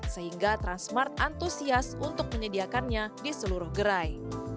sehingga transmart antusias untuk menyediakannya di seluruh gerai